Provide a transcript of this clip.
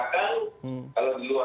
kalau di luar ruangan sudah dikolekan